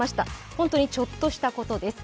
本当にちょっとしたことです。